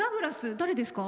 誰ですか？